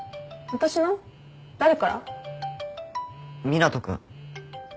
湊斗君。